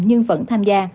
nhưng vẫn tham gia